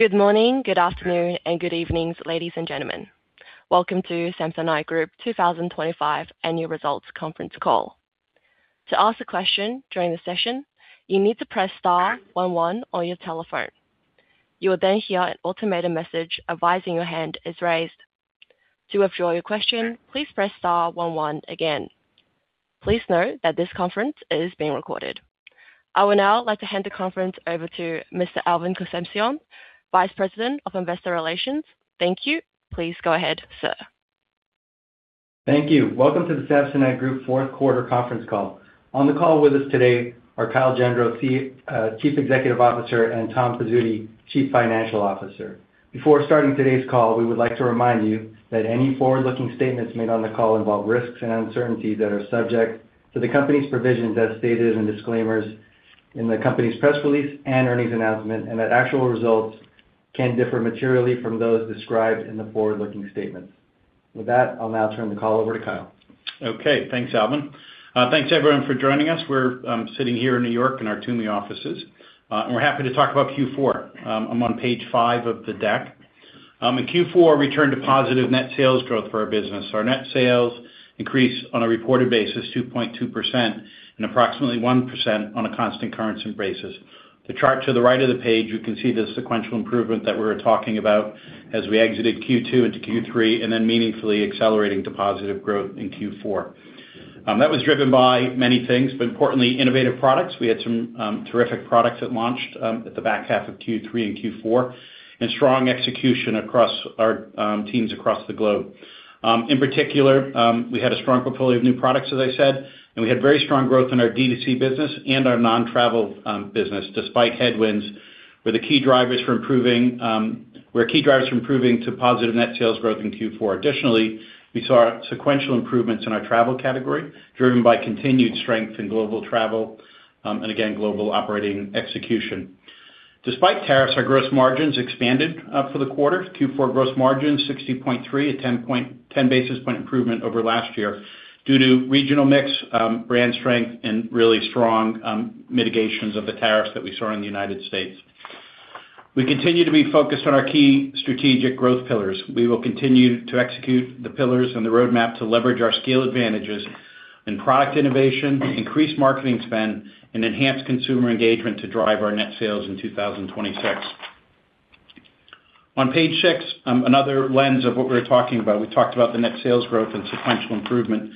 Good morning, good afternoon, and good evenings, ladies and gentlemen. Welcome to Samsonite Group 2025 annual results conference call. To ask a question during the session, you need to press star one one on your telephone. You will then hear an automated message advising your hand is raised. To withdraw your question, please press star one one again. Please note that this conference is being recorded. I would now like to hand the conference over to Mr. Alvin Concepcion, Vice President of Investor Relations. Thank you. Please go ahead, sir. Thank you. Welcome to the Samsonite Group fourth quarter conference call. On the call with us today are Kyle Gendreau, Chief Executive Officer, and Tom Pizzuti, Chief Financial Officer. Before starting today's call, we would like to remind you that any forward-looking statements made on the call involve risks and uncertainties that are subject to the company's provisions as stated in disclaimers in the company's press release and earnings announcement, and that actual results can differ materially from those described in the forward-looking statements. With that, I'll now turn the call over to Kyle. Okay, thanks, Alvin. Thanks everyone for joining us. We're sitting here in New York in our TUMI offices, and we're happy to talk about Q4. I'm on page five of the deck. In Q4, return to positive net sales growth for our business. Our net sales increased on a reported basis 2.2% and approximately 1% on a constant currency basis. The chart to the right of the page, you can see the sequential improvement that we were talking about as we exited Q2 into Q3 and then meaningfully accelerating to positive growth in Q4. That was driven by many things, but importantly, innovative products. We had some terrific products that launched at the back half of Q3 and Q4 and strong execution across our teams across the globe. In particular, we had a strong portfolio of new products, as I said, and we had very strong growth in our D2C business and our non-travel business, despite headwinds, were key drivers from improving to positive net sales growth in Q4. Additionally, we saw sequential improvements in our travel category, driven by continued strength in global travel, and again, global operating execution. Despite tariffs, our gross margins expanded for the quarter. Q4 gross margin 60.3%, a 10-basis point improvement over last year due to regional mix, brand strength, and really strong mitigations of the tariffs that we saw in the United States. We continue to be focused on our key strategic growth pillars. We will continue to execute the pillars and the roadmap to leverage our scale advantages in product innovation, increased marketing spend, and enhanced consumer engagement to drive our net sales in 2026. On page six, another lens of what we're talking about. We talked about the net sales growth and sequential improvement,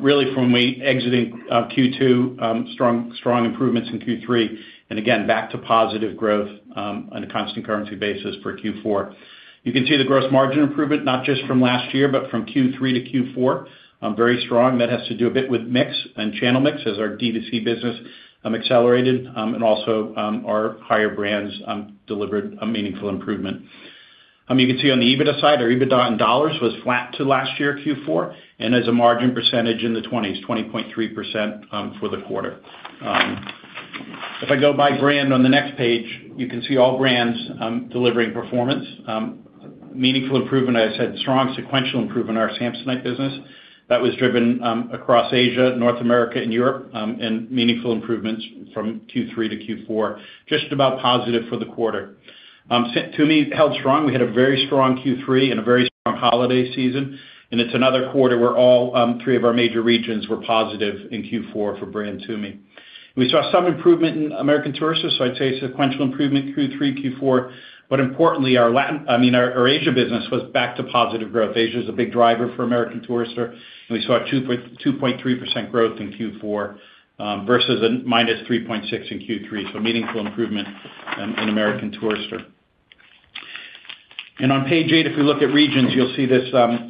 really from exiting Q2, strong improvements in Q3 and again, back to positive growth, on a constant currency basis for Q4. You can see the gross margin improvement not just from last year, but from Q3-Q4, very strong. That has to do a bit with mix and channel mix as our D2C business accelerated, and also, our higher brands delivered a meaningful improvement. You can see on the EBITDA side, our EBITDA in dollars was flat to last year Q4 and as a margin percentage in the twenties, 20.3%, for the quarter. If I go by brand on the next page, you can see all brands delivering performance, meaningful improvement. As I said, strong sequential improvement in our Samsonite business that was driven across Asia, North America, and Europe, and meaningful improvements from Q3-Q4, just about positive for the quarter. TUMI held strong. We had a very strong Q3 and a very strong holiday season, and it's another quarter where all three of our major regions were positive in Q4 for brand TUMI. We saw some improvement in American Tourister, so I'd say sequential improvement Q3, Q4. Importantly, our Asia business was back to positive growth. Asia is a big driver for American Tourister, and we saw a 2.3% growth in Q4 versus a -3.6% in Q3. Meaningful improvement in American Tourister. On page eight, if we look at regions, you'll see this,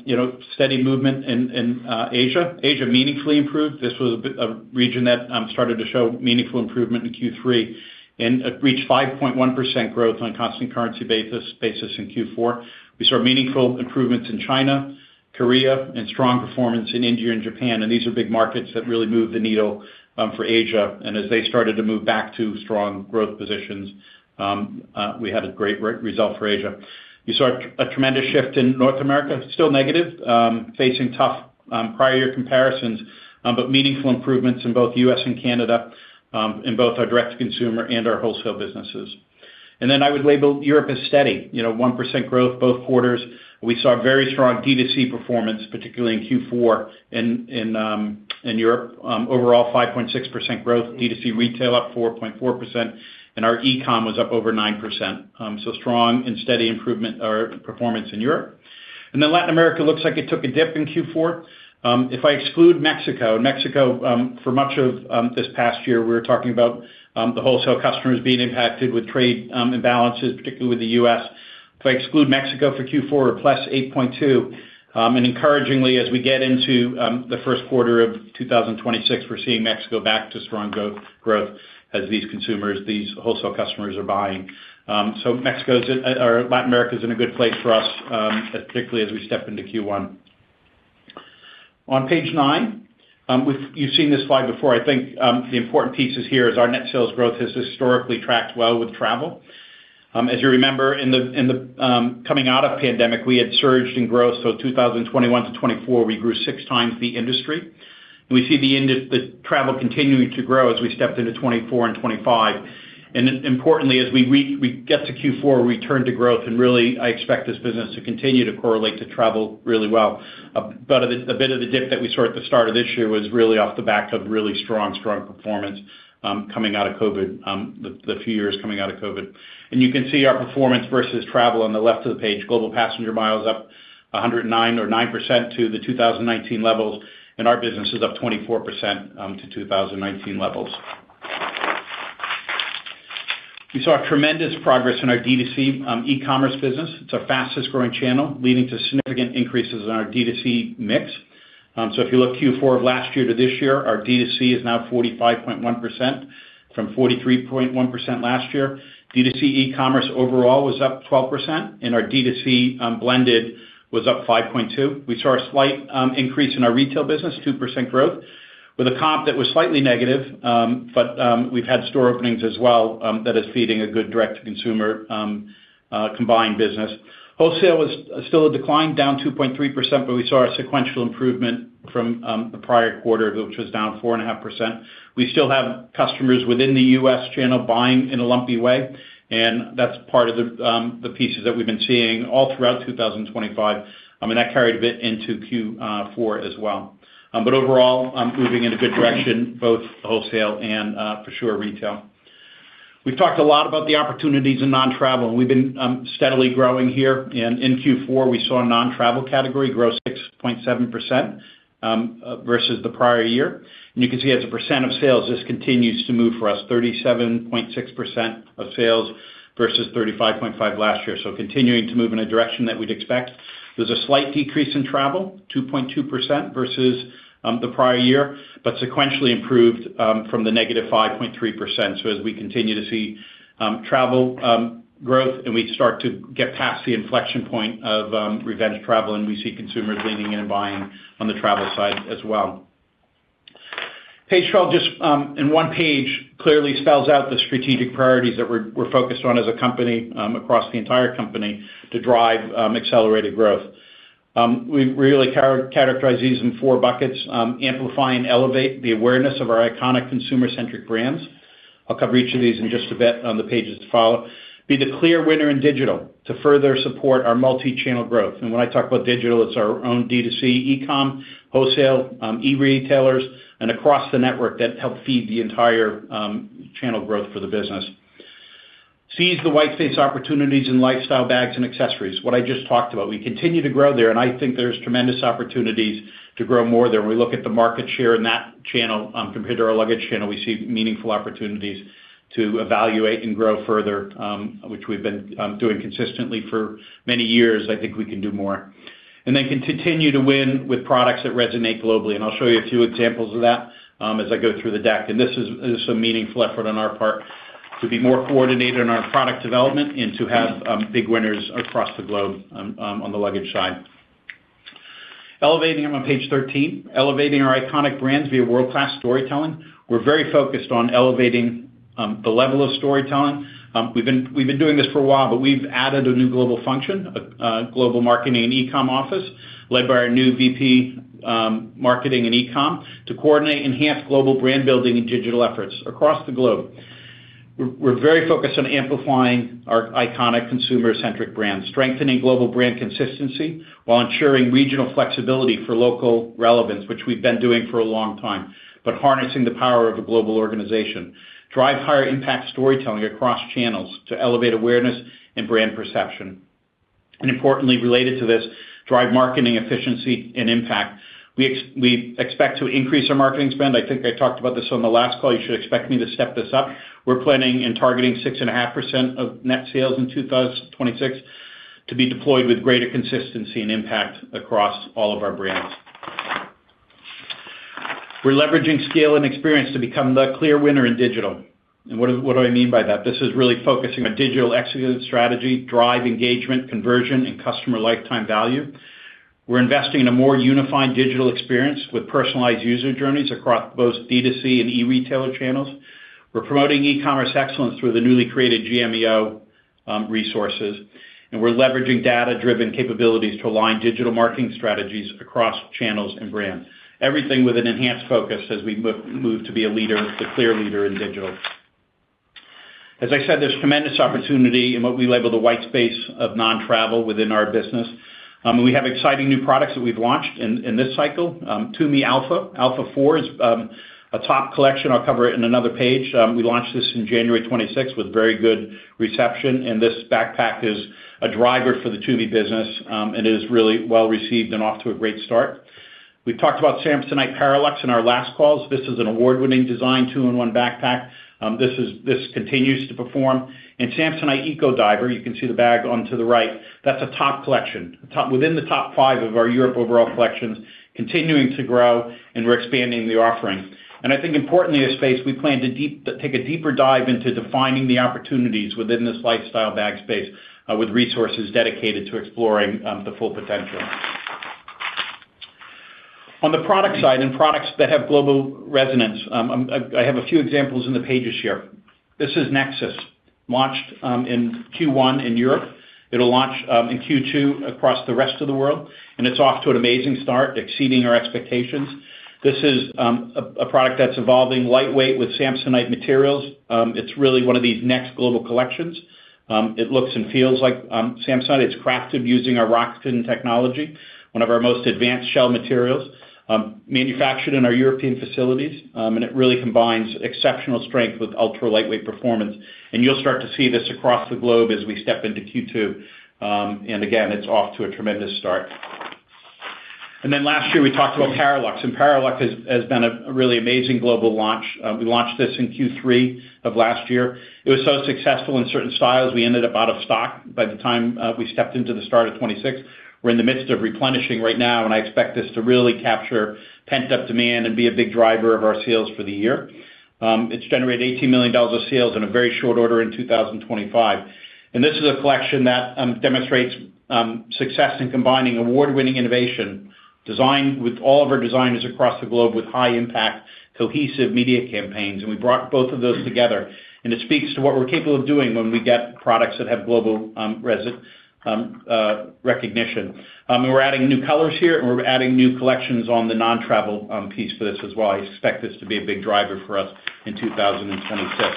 you know, steady movement in Asia. Asia meaningfully improved. This was a region that started to show meaningful improvement in Q3 and reached 5.1% growth on constant currency basis in Q4. We saw meaningful improvements in China, Korea, and strong performance in India and Japan. These are big markets that really move the needle for Asia. As they started to move back to strong growth positions, we had a great result for Asia. You saw a tremendous shift in North America, still negative, facing tough prior year comparisons, but meaningful improvements in both U.S. and Canada, in both our direct-to-consumer and our wholesale businesses. Then I would label Europe as steady. You know, 1% growth both quarters. We saw very strong D2C performance, particularly in Q4 in Europe. Overall, 5.6% growth, D2C retail up 4.4%, and our e-com was up over 9%. So strong and steady improvement or performance in Europe. Then Latin America looks like it took a dip in Q4. If I exclude Mexico for much of this past year, we were talking about the wholesale customers being impacted with trade imbalances, particularly with the U.S. If I exclude Mexico for Q4, we're +8.2%, and encouragingly, as we get into the first quarter of 2026, we're seeing Mexico back to strong growth as these consumers, these wholesale customers are buying. Mexico's at or Latin America's in a good place for us, particularly as we step into Q1. On page nine, you've seen this slide before. I think the important pieces here is our net sales growth has historically tracked well with travel. As you remember in the coming out of pandemic, we had surged in growth. 2021 to 2024, we grew 6x the industry. We see demand for travel continuing to grow as we step into 2024 and 2025. Then importantly, as we get to Q4, return to growth, and really, I expect this business to continue to correlate to travel really well. A bit of the dip that we saw at the start of this year was really off the back of really strong performance coming out of COVID, the few years coming out of COVID. You can see our performance versus travel on the left of the page, global passenger miles up 109 or 9% to the 2019 levels, and our business is up 24% to 2019 levels. We saw tremendous progress in our D2C e-commerce business. It's our fastest-growing channel, leading to significant increases in our D2C mix. If you look Q4 of last year to this year, our D2C is now 45.1% from 43.1% last year. D2C e-commerce overall was up 12%, and our D2C blended was up 5.2%. We saw a slight increase in our retail business, 2% growth with a comp that was slightly negative. We've had store openings as well that is feeding a good direct-to-consumer combined business. Wholesale was still a decline, down 2.3%, but we saw a sequential improvement from the prior quarter, which was down 4.5%. We still have customers within the U.S. channel buying in a lumpy way, and that's part of the pieces that we've been seeing all throughout 2025. I mean, that carried a bit into Q4 as well. Overall, moving in a good direction, both wholesale and for sure retail. We've talked a lot about the opportunities in non-travel, and we've been steadily growing here. In Q4, we saw a non-travel category grow 6.7% versus the prior year. You can see as a percent of sales, this continues to move for us 37.6% of sales versus 35.5 last year. Continuing to move in a direction that we'd expect. There's a slight decrease in travel, 2.2% versus the prior year, but sequentially improved from the -5.3%. As we continue to see travel growth, and we start to get past the inflection point of revenge travel, and we see consumers leaning in and buying on the travel side as well. Page 12 just in one page clearly spells out the strategic priorities that we're focused on as a company across the entire company to drive accelerated growth. We really characterize these in four buckets, amplify and elevate the awareness of our iconic consumer-centric brands. I'll cover each of these in just a bit on the pages to follow. Be the clear winner in digital to further support our multi-channel growth. When I talk about digital, it's our own D2C, e-com, wholesale, e-retailers, and across the network that help feed the entire channel growth for the business. Seize the white space opportunities in lifestyle bags and accessories. What I just talked about. We continue to grow there, and I think there's tremendous opportunities to grow more there. When we look at the market share in that channel, compared to our luggage channel, we see meaningful opportunities to evaluate and grow further, which we've been doing consistently for many years. I think we can do more. Then continue to win with products that resonate globally. I'll show you a few examples of that, as I go through the deck. This is a meaningful effort on our part to be more coordinated in our product development and to have big winners across the globe on the luggage side. I'm on page thirteen. Elevating our iconic brands via world-class storytelling. We're very focused on elevating the level of storytelling. We've been doing this for a while, but we've added a new global function, global marketing and e-com office led by our new VP marketing and e-com to coordinate enhanced global brand building and digital efforts across the globe. We're very focused on amplifying our iconic consumer-centric brands, strengthening global brand consistency while ensuring regional flexibility for local relevance, which we've been doing for a long time, but harnessing the power of a global organization. Drive higher impact storytelling across channels to elevate awareness and brand perception. Importantly, related to this, drive marketing efficiency and impact. We expect to increase our marketing spend. I think I talked about this on the last call. You should expect me to step this up. We're planning and targeting 6.5% of net sales in 2026 to be deployed with greater consistency and impact across all of our brands. We're leveraging scale and experience to become the clear winner in digital. What do I mean by that? This is really focusing on digital execution strategy, drive engagement, conversion, and customer lifetime value. We're investing in a more unified digital experience with personalized user journeys across both D2C and e-retailer channels. We're promoting e-commerce excellence through the newly created GMEO resources, and we're leveraging data-driven capabilities to align digital marketing strategies across channels and brands. Everything with an enhanced focus as we move to be a leader, the clear leader in digital. As I said, there's tremendous opportunity in what we label the white space of non-travel within our business. We have exciting new products that we've launched in this cycle. TUMI Alpha 4 is a top collection. I'll cover it in another page. We launched this in January 2026 with very good reception, and this backpack is a driver for the TUMI business and is really well-received and off to a great start. We've talked about Samsonite Paralux in our last calls. This is an award-winning design, two-in-one backpack. This continues to perform. Samsonite Ecodiver, you can see the bag on the right, that's a top collection. Within the top five of our Europe overall collections, continuing to grow, and we're expanding the offering. I think importantly, this space, we plan to take a deeper dive into defining the opportunities within this lifestyle bag space, with resources dedicated to exploring the full potential. On the product side and products that have global resonance, I have a few examples in the pages here. This is Nexis, launched in Q1 in Europe. It'll launch in Q2 across the rest of the world, and it's off to an amazing start, exceeding our expectations. This is a product that's offering lightweight with Samsonite materials. It's really one of these next global collections. It looks and feels like Samsonite. It's crafted using our Roxkin technology, one of our most advanced shell materials. Manufactured in our European facilities, and it really combines exceptional strength with ultra-lightweight performance. You'll start to see this across the globe as we step into Q2. Again, it's off to a tremendous start. Last year, we talked about Paralux, and Paralux has been a really amazing global launch. We launched this in Q3 of last year. It was so successful in certain styles, we ended up out of stock by the time we stepped into the start of 2026. We're in the midst of replenishing right now, and I expect this to really capture pent-up demand and be a big driver of our sales for the year. It's generated $18 million of sales in a very short order in 2025. This is a collection that demonstrates success in combining award-winning innovation, design with all of our designers across the globe with high impact, cohesive media campaigns. We brought both of those together, and it speaks to what we're capable of doing when we get products that have global recognition. We're adding new colors here, and we're adding new collections on the non-travel piece for this as well. I expect this to be a big driver for us in 2026.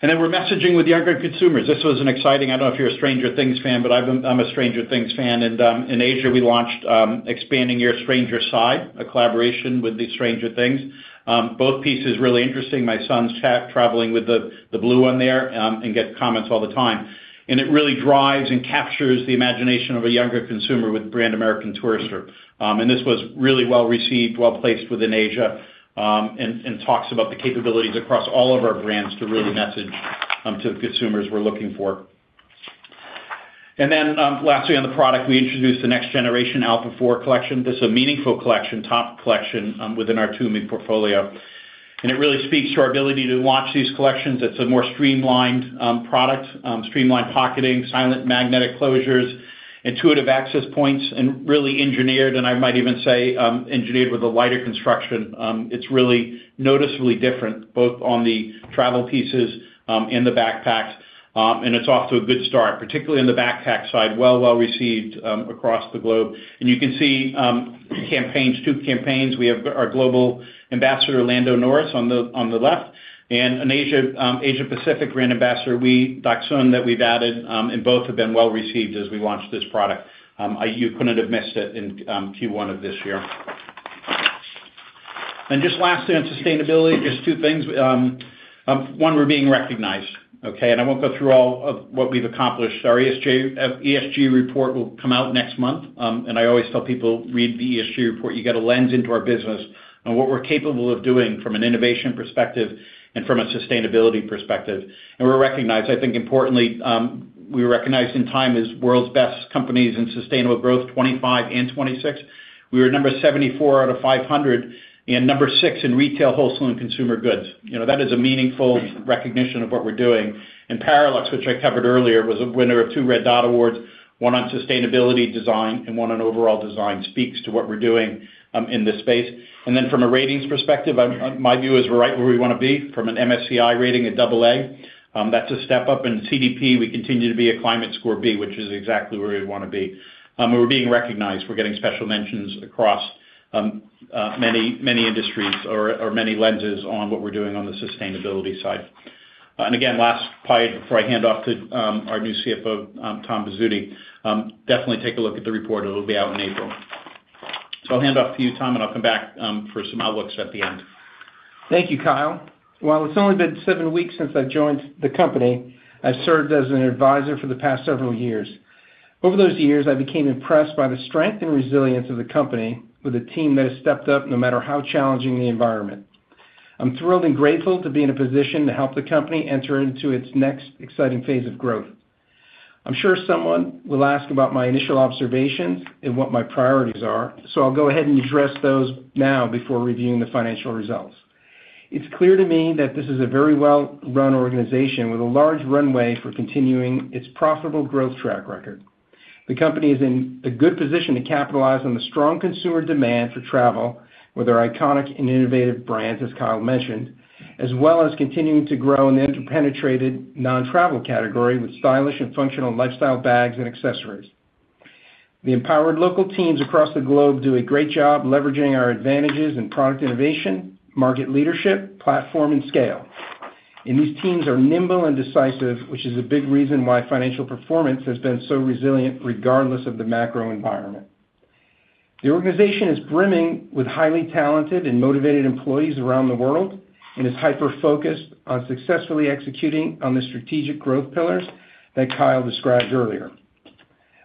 Then we're messaging with younger consumers. This was an exciting I don't know if you're a Stranger Things fan, but I'm a Stranger Things fan. In Asia, we launched Expanding Your Stranger Side, a collaboration with the Stranger Things. Both pieces really interesting. My son's traveling with the blue one there and gets comments all the time. It really drives and captures the imagination of a younger consumer with brand American Tourister. This was really well-received, well-placed within Asia, and talks about the capabilities across all of our brands to really message to consumers we're looking for. Then, lastly on the product, we introduced the next generation Alpha 4 collection. This is a meaningful collection, top collection within our TUMI portfolio, and it really speaks to our ability to launch these collections. It's a more streamlined product, streamlined pocketing, silent magnetic closures, intuitive access points, and really engineered, and I might even say, engineered with a lighter construction. It's really noticeably different, both on the travel pieces, and the backpacks, and it's off to a good start. Particularly in the backpack side, well-received across the globe. You can see campaigns, two campaigns. We have our global ambassador, Lando Norris, on the left, and an Asia Pacific brand ambassador, Wei Daxun, that we've added, and both have been well-received as we launched this product. You couldn't have missed it in Q1 of this year. Just lastly on sustainability, just two things. One, we're being recognized, okay. I won't go through all of what we've accomplished. Our ESG report will come out next month, and I always tell people, read the ESG report. You get a lens into our business on what we're capable of doing from an innovation perspective and from a sustainability perspective. We're recognized. I think importantly, we were recognized in Time as World's Best Companies in Sustainable Growth 2025 and 2026. We were number 74 out of 500 and number six in retail, wholesale, and consumer goods. You know, that is a meaningful recognition of what we're doing. Paralux, which I covered earlier, was a winner of two Red Dot awards, one on sustainability design and one on overall design. Speaks to what we're doing in this space. Then from a ratings perspective, my view is we're right where we wanna be. From an MSCI rating, a double A. That's a step up. In CDP, we continue to be a climate score B, which is exactly where we'd wanna be. We're being recognized. We're getting special mentions across many industries or many lenses on what we're doing on the sustainability side. Again, last point before I hand off to our new CFO, Tom Pizzuti, definitely take a look at the report. It'll be out in April. I'll hand off to you, Tom, and I'll come back for some outlooks at the end. Thank you, Kyle. While it's only been seven weeks since I've joined the company, I served as an advisor for the past several years. Over those years, I became impressed by the strength and resilience of the company with a team that has stepped up no matter how challenging the environment. I'm thrilled and grateful to be in a position to help the company enter into its next exciting phase of growth. I'm sure someone will ask about my initial observations and what my priorities are, so I'll go ahead and address those now before reviewing the financial results. It's clear to me that this is a very well-run organization with a large runway for continuing its profitable growth track record. The company is in a good position to capitalize on the strong consumer demand for travel with our iconic and innovative brands, as Kyle mentioned, as well as continuing to grow in the underpenetrated non-travel category with stylish and functional lifestyle bags and accessories. The empowered local teams across the globe do a great job leveraging our advantages in product innovation, market leadership, platform, and scale. These teams are nimble and decisive, which is a big reason why financial performance has been so resilient regardless of the macro environment. The organization is brimming with highly talented and motivated employees around the world and is hyper-focused on successfully executing on the strategic growth pillars that Kyle described earlier.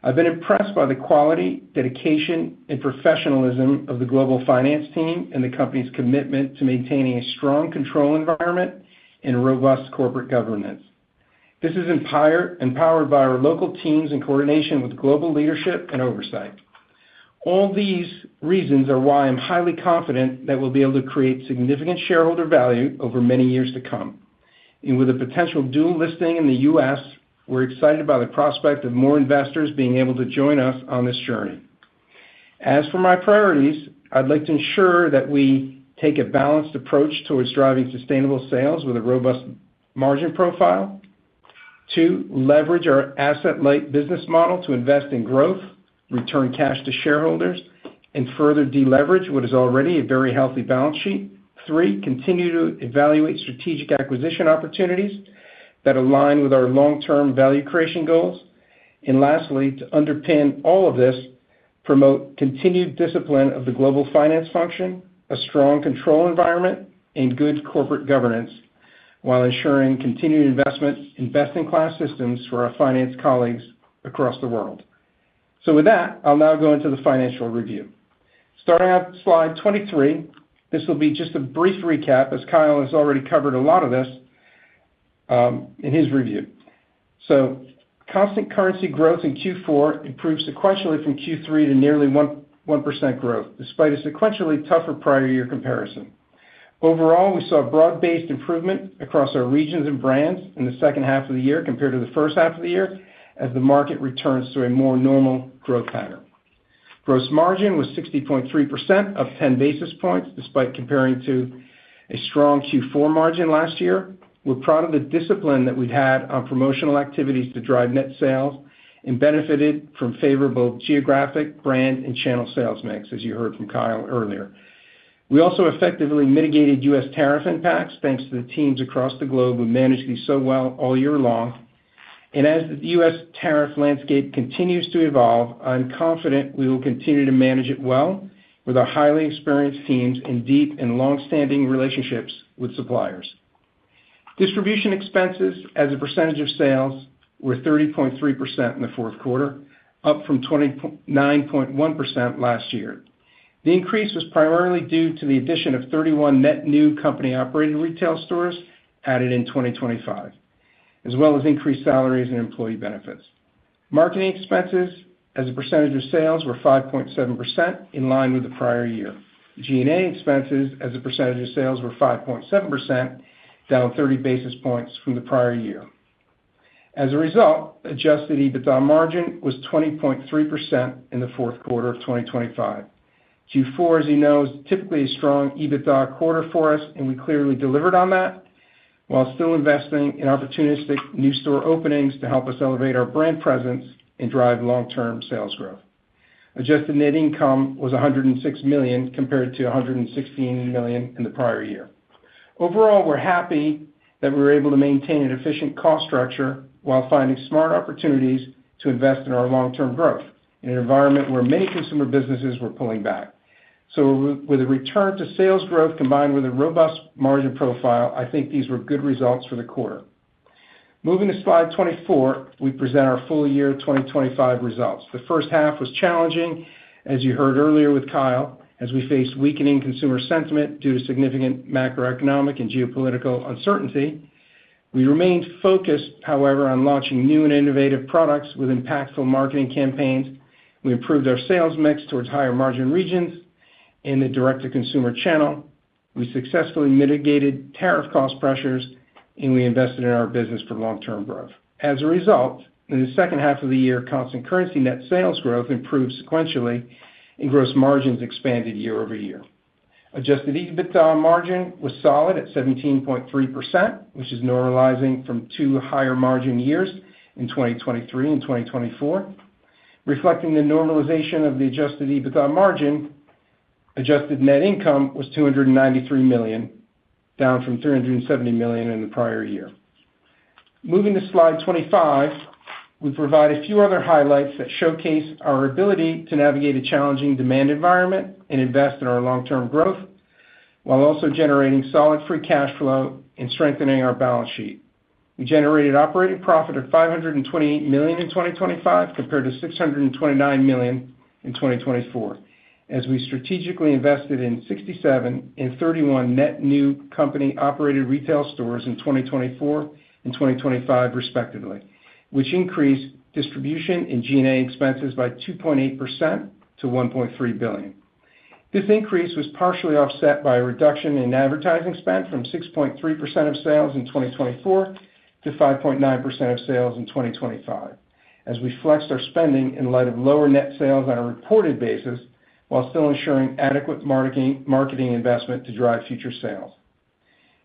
I've been impressed by the quality, dedication, and professionalism of the global finance team and the company's commitment to maintaining a strong control environment and robust corporate governance. This is empowered by our local teams in coordination with global leadership and oversight. All these reasons are why I'm highly confident that we'll be able to create significant shareholder value over many years to come. With a potential dual listing in the U.S., we're excited by the prospect of more investors being able to join us on this journey. As for my priorities, I'd like to ensure that we take a balanced approach towards driving sustainable sales with a robust margin profile. Two, leverage our asset-light business model to invest in growth, return cash to shareholders, and further deleverage what is already a very healthy balance sheet. Three, continue to evaluate strategic acquisition opportunities that align with our long-term value creation goals. Lastly, to underpin all of this, promote continued discipline of the global finance function, a strong control environment, and good corporate governance while ensuring continued investment in best-in-class systems for our finance colleagues across the world. With that, I'll now go into the financial review. Starting at slide 23, this will be just a brief recap, as Kyle has already covered a lot of this in his review. Constant currency growth in Q4 improved sequentially from Q3 to nearly 1% growth, despite a sequentially tougher prior year comparison. Overall, we saw broad-based improvement across our regions and brands in the second half of the year compared to the first half of the year as the market returns to a more normal growth pattern. Gross margin was 60.3%, up 10 basis points, despite comparing to a strong Q4 margin last year. We're proud of the discipline that we've had on promotional activities to drive net sales and benefited from favorable geographic, brand, and channel sales mix, as you heard from Kyle earlier. We also effectively mitigated U.S. tariff impacts, thanks to the teams across the globe who managed these so well all year long. As the U.S. tariff landscape continues to evolve, I'm confident we will continue to manage it well with our highly experienced teams and deep and long-standing relationships with suppliers. Distribution expenses as a percentage of sales were 30.3% in the fourth quarter, up from 29.1% last year. The increase was primarily due to the addition of 31 net new company-operated retail stores added in 2025, as well as increased salaries and employee benefits. Marketing expenses as a percentage of sales were 5.7%, in line with the prior year. G&A expenses as a percentage of sales were 5.7%, down 30 basis points from the prior year. As a result, adjusted EBITDA margin was 20.3% in the fourth quarter of 2025. Q4, as you know, is typically a strong EBITDA quarter for us, and we clearly delivered on that while still investing in opportunistic new store openings to help us elevate our brand presence and drive long-term sales growth. Adjusted net income was $106 million compared to $116 million in the prior year. Overall, we're happy that we were able to maintain an efficient cost structure while finding smart opportunities to invest in our long-term growth in an environment where many consumer businesses were pulling back. With a return to sales growth combined with a robust margin profile, I think these were good results for the quarter. Moving to slide 24, we present our full year 2025 results. The first half was challenging, as you heard earlier with Kyle, as we faced weakening consumer sentiment due to significant macroeconomic and geopolitical uncertainty. We remained focused, however, on launching new and innovative products with impactful marketing campaigns. We improved our sales mix towards higher margin regions in the direct-to-consumer channel. We successfully mitigated tariff cost pressures, and we invested in our business for long-term growth. As a result, in the second half of the year, constant currency net sales growth improved sequentially, and gross margins expanded year-over-year. Adjusted EBITDA margin was solid at 17.3%, which is normalizing from two higher margin years in 2023 and 2024. Reflecting the normalization of the adjusted EBITDA margin, adjusted net income was $293 million, down from $370 million in the prior year. Moving to slide 25, we provide a few other highlights that showcase our ability to navigate a challenging demand environment and invest in our long-term growth while also generating solid free cash flow and strengthening our balance sheet. We generated operating profit of $528 million in 2025 compared to $629 million in 2024, as we strategically invested in 67 and 31 net new company-operated retail stores in 2024 and 2025 respectively, which increased distribution and G&A expenses by 2.8% to $1.3 billion. This increase was partially offset by a reduction in advertising spend from 6.3% of sales in 2024 to 5.9% of sales in 2025 as we flexed our spending in light of lower net sales on a reported basis while still ensuring adequate marketing investment to drive future sales.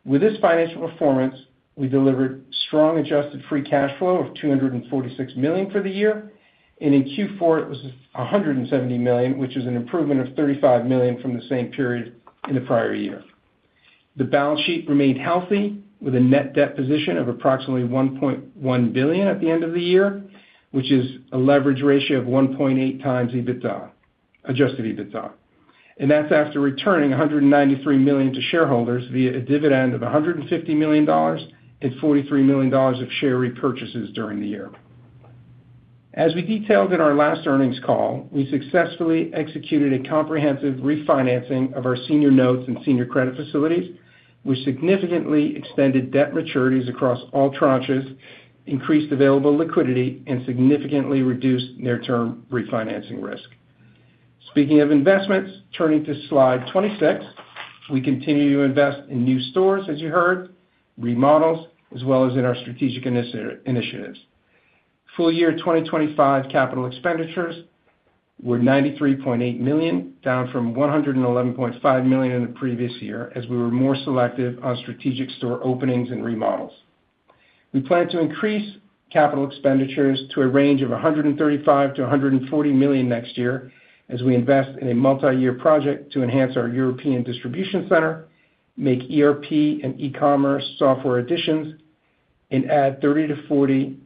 With this financial performance, we delivered strong adjusted free cash flow of $246 million for the year, and in Q4, it was $170 million, which is an improvement of $35 million from the same period in the prior year. The balance sheet remained healthy with a net debt position of approximately $1.1 billion at the end of the year, which is a leverage ratio of 1.8x adjusted EBITDA. That's after returning $193 million to shareholders via a dividend of $150 million and $43 million of share repurchases during the year. As we detailed in our last earnings call, we successfully executed a comprehensive refinancing of our senior notes and senior credit facilities, which significantly extended debt maturities across all tranches, increased available liquidity, and significantly reduced near-term refinancing risk. Speaking of investments, turning to slide 26, we continue to invest in new stores, as you heard, remodels, as well as in our strategic initiatives. Full year 2025 capital expenditures were $93.8 million, down from $111.5 million in the previous year, as we were more selective on strategic store openings and remodels. We plan to increase capital expenditures to a range of $135 million-$140 million next year as we invest in a multi-year project to enhance our European distribution center, make ERP and e-commerce software additions, and add 30-40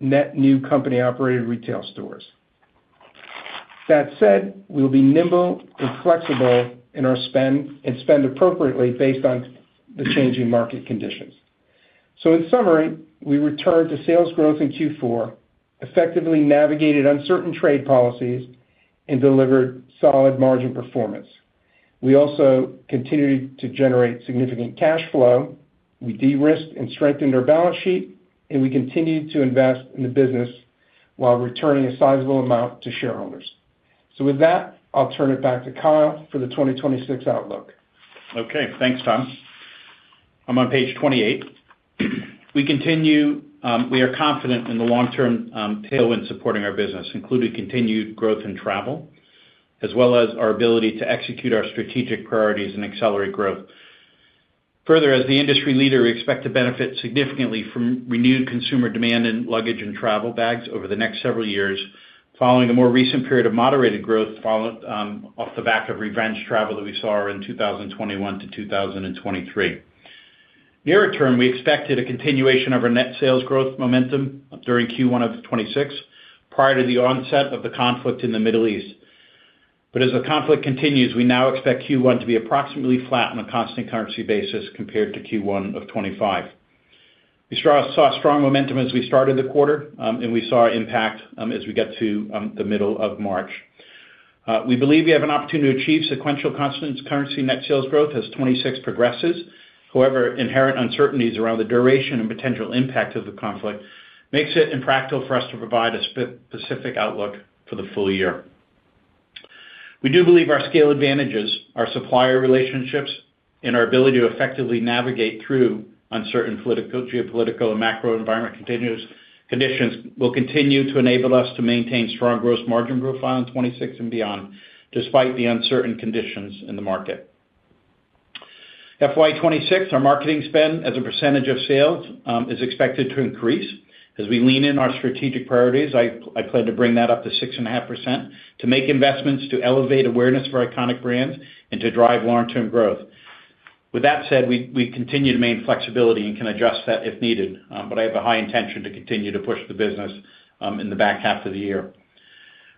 net new company-operated retail stores. That said, we will be nimble and flexible in our spend and spend appropriately based on the changing market conditions. In summary, we returned to sales growth in Q4, effectively navigated uncertain trade policies, and delivered solid margin performance. We also continued to generate significant cash flow. We de-risked and strengthened our balance sheet, and we continued to invest in the business while returning a sizable amount to shareholders. With that, I'll turn it back to Kyle for the 2026 outlook. Okay, thanks, Tom. I'm on page 28. We continue, we are confident in the long-term tailwind supporting our business, including continued growth in travel, as well as our ability to execute our strategic priorities and accelerate growth. Further, as the industry leader, we expect to benefit significantly from renewed consumer demand in luggage and travel bags over the next several years, following a more recent period of moderated growth followed off the back of revenge travel that we saw in 2021 to 2023. Near term, we expected a continuation of our net sales growth momentum during Q1 of 2026 prior to the onset of the conflict in the Middle East. As the conflict continues, we now expect Q1 to be approximately flat on a constant currency basis compared to Q1 of 2025. We saw strong momentum as we started the quarter, and we saw impact as we get to the middle of March. We believe we have an opportunity to achieve sequential constant currency net sales growth as 2026 progresses. However, inherent uncertainties around the duration and potential impact of the conflict makes it impractical for us to provide a specific outlook for the full year. We do believe our scale advantages, our supplier relationships, and our ability to effectively navigate through uncertain political, geopolitical and macro environment conditions will continue to enable us to maintain strong gross margin growth on 2026 and beyond, despite the uncertain conditions in the market. FY 2026, our marketing spend as a percentage of sales is expected to increase as we lean in our strategic priorities. I plan to bring that up to 6.5% to make investments to elevate awareness for iconic brands and to drive long-term growth. With that said, we continue to maintain flexibility and can adjust that if needed, but I have a high intention to continue to push the business in the back half of the year.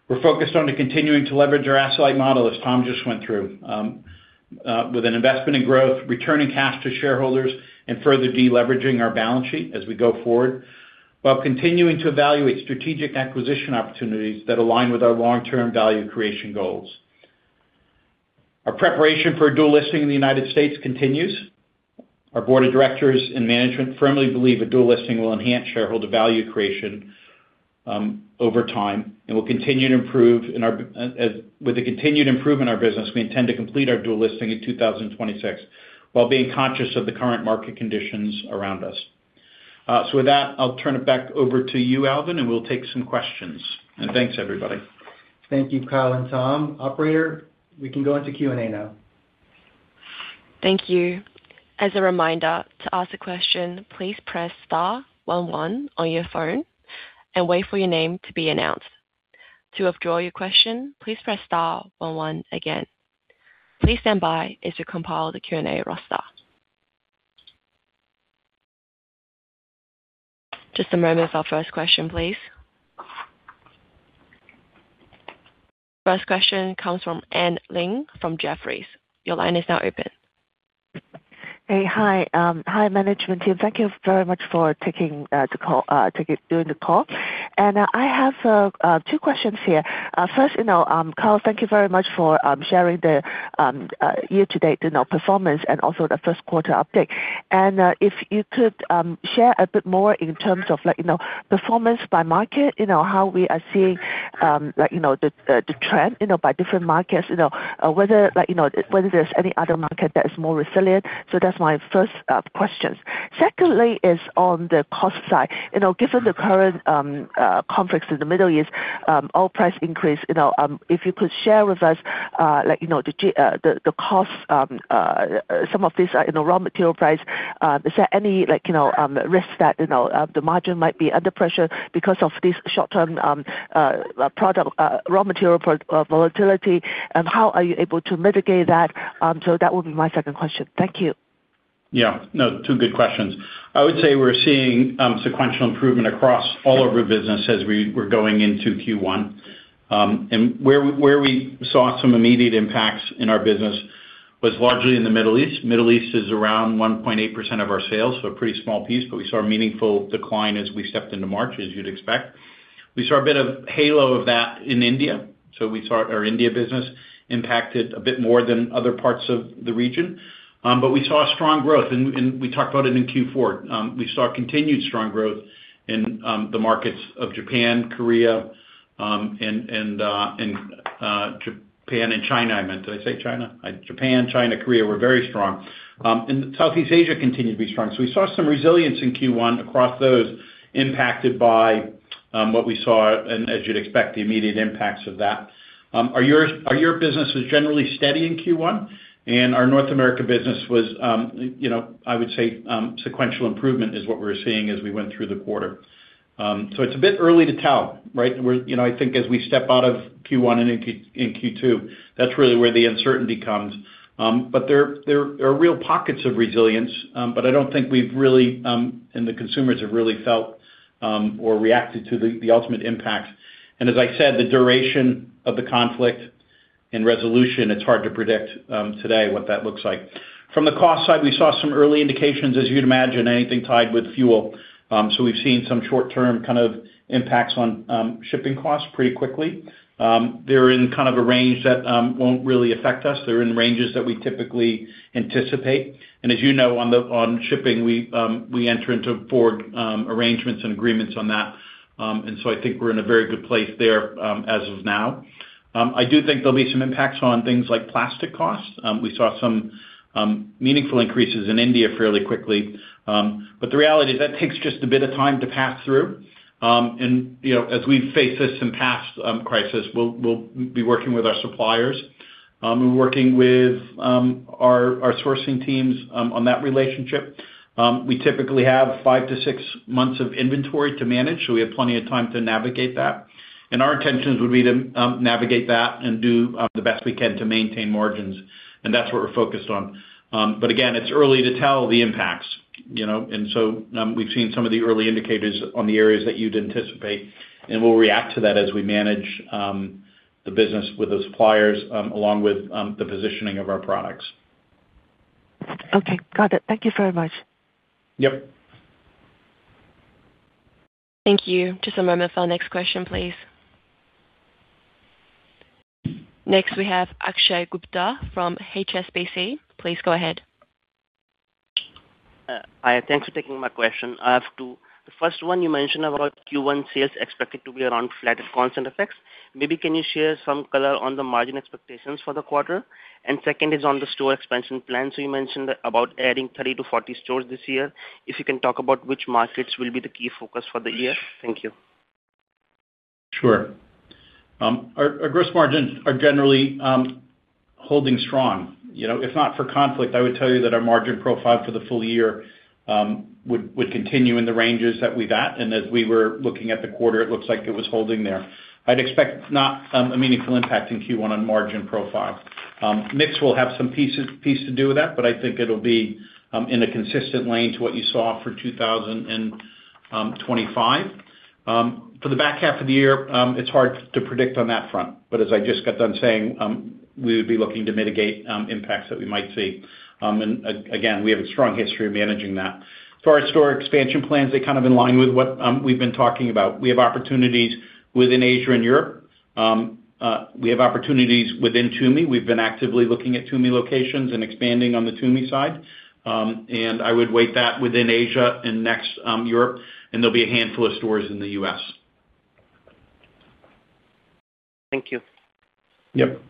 We're focused on continuing to leverage our asset-light model, as Tom just went through, with an investment in growth, returning cash to shareholders, and further deleveraging our balance sheet as we go forward, while continuing to evaluate strategic acquisition opportunities that align with our long-term value creation goals. Our preparation for a dual listing in the United States continues. Our board of directors and management firmly believe a dual listing will enhance shareholder value creation, over time and will continue to improve with the continued improvement in our business, we intend to complete our dual listing in 2026, while being conscious of the current market conditions around us. With that, I'll turn it back over to you, Alvin, and we'll take some questions. Thanks everybody. Thank you, Kyle and Tom. Operator, we can go into Q&A now. Thank you. As a reminder, to ask a question, please press star one one on your phone and wait for your name to be announced. To withdraw your question, please press star one one again. Please stand by as we compile the Q&A roster. Just a moment as our first question, please. First question comes from Anne Ling from Jefferies. Your line is now open. Hi, management team. Thank you very much for doing the call. I have two questions here. First, you know, Kyle, thank you very much for sharing the year-to-date, you know, performance and also the first quarter update. If you could share a bit more in terms of like, you know, performance by market, you know, how we are seeing, like, you know, the trend, you know, by different markets, you know, whether like, you know, whether there's any other market that is more resilient. That's my first questions. Secondly is on the cost side. You know, given the current conflicts in the Middle East, oil price increase, you know, if you could share with us, like, you know, the cost, some of these, you know, raw material price, is there any like, you know, risk that, you know, the margin might be under pressure because of this short term product raw material volatility, and how are you able to mitigate that? That would be my second question. Thank you. Yeah. No, two good questions. I would say we're seeing sequential improvement across all of our business as we're going into Q1. Where we saw some immediate impacts in our business was largely in the Middle East. Middle East is around 1.8% of our sales, so a pretty small piece, but we saw a meaningful decline as we stepped into March, as you'd expect. We saw a bit of halo of that in India, so we saw our India business impacted a bit more than other parts of the region. We saw strong growth and we talked about it in Q4. We saw continued strong growth in the markets of Japan, Korea, and Japan and China, I meant. Did I say China? Japan, China, Korea were very strong. Southeast Asia continued to be strong. We saw some resilience in Q1 across those impacted by what we saw and as you'd expect, the immediate impacts of that. Our EMEA business was generally steady in Q1, and our North America business was, you know, I would say, sequential improvement is what we're seeing as we went through the quarter. It's a bit early to tell, right? You know, I think as we step out of Q1 and in Q2, that's really where the uncertainty comes. There are real pockets of resilience, but I don't think we've really and the consumers have really felt or reacted to the ultimate impact. As I said, the duration of the conflict and resolution, it's hard to predict today what that looks like. From the cost side, we saw some early indications, as you'd imagine, anything tied with fuel. We've seen some short-term kind of impacts on shipping costs pretty quickly. They're in kind of a range that won't really affect us. They're in ranges that we typically anticipate. As you know, on shipping we enter into forward arrangements and agreements on that. I think we're in a very good place there as of now. I do think there'll be some impacts on things like plastic costs. We saw some meaningful increases in India fairly quickly. The reality is that takes just a bit of time to pass through. You know, as we've faced this in past crisis, we'll be working with our suppliers and working with our sourcing teams on that relationship. We typically have five-six months of inventory to manage, so we have plenty of time to navigate that. Our intentions would be to navigate that and do the best we can to maintain margins, and that's what we're focused on. Again, it's early to tell the impacts, you know? We've seen some of the early indicators on the areas that you'd anticipate, and we'll react to that as we manage the business with those suppliers along with the positioning of our products. Okay. Got it. Thank you very much. Yep. Thank you. Just a moment for our next question, please. Next, we have Akshay Gupta from HSBC. Please go ahead. Hi. Thanks for taking my question. I have two. The first one you mentioned about Q1 sales expected to be around flat constant-currency. Maybe can you share some color on the margin expectations for the quarter? Second is on the store expansion plan. You mentioned about adding 30-40 stores this year. If you can talk about which markets will be the key focus for the year? Thank you. Sure. Our gross margins are generally holding strong. You know, if not for conflict, I would tell you that our margin profile for the full year would continue in the ranges that we've at. As we were looking at the quarter, it looks like it was holding there. I'd expect not a meaningful impact in Q1 on margin profile. Mix will have some pieces to do with that, but I think it'll be in a consistent lane to what you saw for 2025. For the back half of the year, it's hard to predict on that front. As I just got done saying, we would be looking to mitigate impacts that we might see. Again, we have a strong history of managing that. As far as store expansion plans, they're kind of in line with what we've been talking about. We have opportunities within Asia and Europe. We have opportunities within Tumi. We've been actively looking at Tumi locations and expanding on the Tumi side. I would weigh that within Asia and next, Europe, and there'll be a handful of stores in the U.S. Thank you. Yep.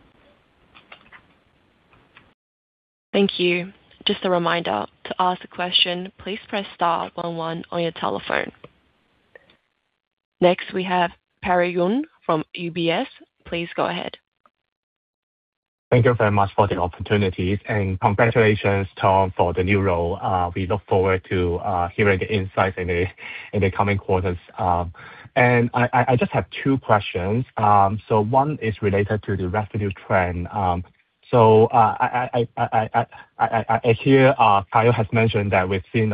Thank you. Just a reminder. To ask a question, please press star one one on your telephone. Next, we have Perry Yeung from UBS. Please go ahead. Thank you very much for the opportunity, and congratulations, Tom, for the new role. We look forward to hearing the insights in the coming quarters. I just have two questions. One is related to the revenue trend. I hear Kyle has mentioned that we've seen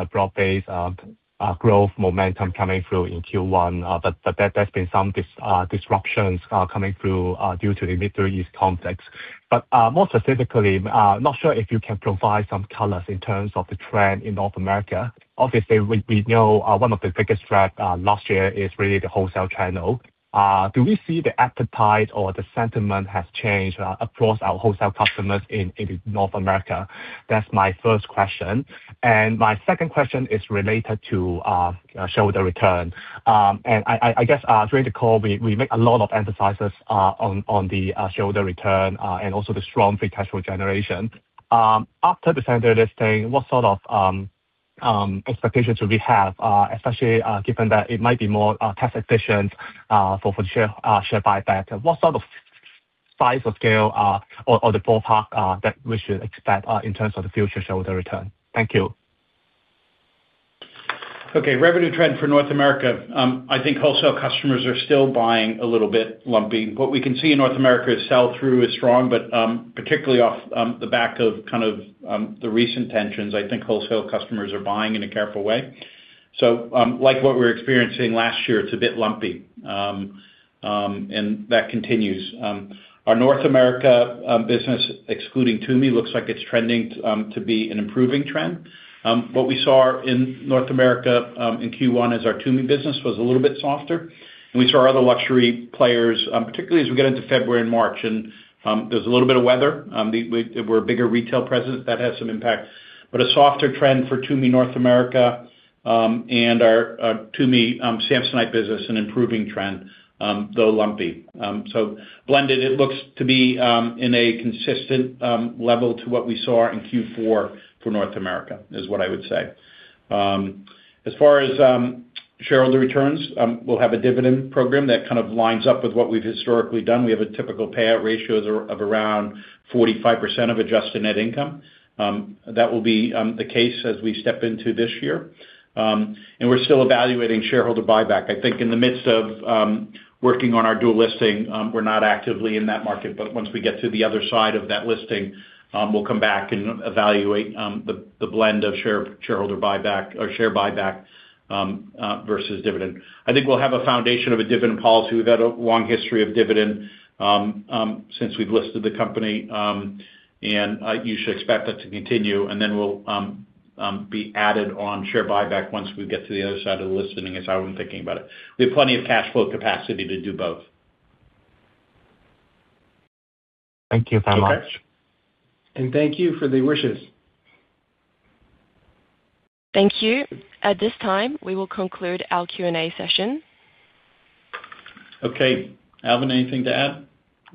a broad-based growth momentum coming through in Q1, but there's been some disruptions coming through due to the Middle East conflicts. More specifically, not sure if you can provide some colors in terms of the trend in North America. Obviously, we know one of the biggest threat last year is really the wholesale channel. Do we see the appetite or the sentiment has changed across our wholesale customers in North America? That's my first question. My second question is related to shareholder return. I guess during the call, we make a lot of emphasis on the shareholder return and also the strong free cash flow generation. After the standard listing, what sort of expectations should we have, especially given that it might be more cash efficient for the share buyback? What sort of size or scale or the payback that we should expect in terms of the future shareholder return? Thank you. Okay. Revenue trend for North America. I think wholesale customers are still buying a little bit lumpy. What we can see in North America is sell-through is strong, but particularly off the back of kind of the recent tensions, I think wholesale customers are buying in a careful way. Like what we were experiencing last year, it's a bit lumpy and that continues. Our North America business, excluding TUMI, looks like it's trending to be an improving trend. What we saw in North America in Q1 is our TUMI business was a little bit softer. We saw other luxury players particularly as we get into February and March. There's a little bit of weather. We're a bigger retail presence, that has some impact. A softer trend for TUMI North America, and our TUMI Samsonite business, an improving trend, though lumpy. Blended, it looks to be in a consistent level to what we saw in Q4 for North America, is what I would say. As far as shareholder returns, we'll have a dividend program that kind of lines up with what we've historically done. We have a typical payout ratio of around 45% of adjusted net income. That will be the case as we step into this year. We're still evaluating shareholder buyback. I think in the midst of working on our dual listing, we're not actively in that market, but once we get to the other side of that listing, we'll come back and evaluate the blend of shareholder buyback or share buyback versus dividend. I think we'll have a foundation of a dividend policy. We've had a long history of dividend since we've listed the company. You should expect that to continue, and then we'll be added on share buyback once we get to the other side of the listing is how I'm thinking about it. We have plenty of cash flow capacity to do both. Thank you very much. Okay. Thank you for the wishes. Thank you. At this time, we will conclude our Q&A session. Okay. Alvin, anything to add?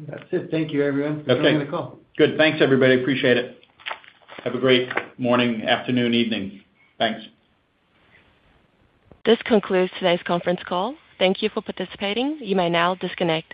That's it. Thank you, everyone. Okay. For joining the call. Good. Thanks, everybody. Appreciate it. Have a great morning, afternoon, evening. Thanks. This concludes today's conference call. Thank you for participating. You may now disconnect.